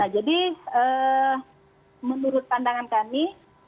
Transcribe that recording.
jadi menurut pandangan kami